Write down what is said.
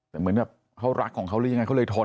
แต่เหมือนแบบเขารักของเขาหรือยังไงเขาเลยทน